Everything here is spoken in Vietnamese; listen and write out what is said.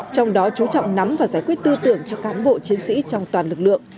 trong đó chú trọng nắm và giải quyết tư tưởng cho cán bộ chiến sĩ trong toàn lực lượng